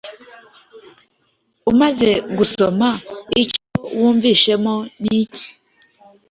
Umaze gusoma icyo wumvisemo nicyi